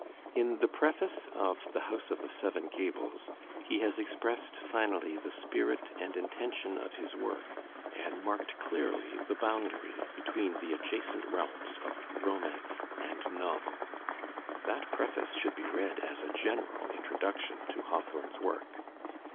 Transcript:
In the preface of "The House of the Seven Gables " he has expressed finally the spirit and intention of his work and marked clearly the boundaiy between the adjacent realms of Romance and Novel. That preface should be read as a general introduction to Hawthorne's work.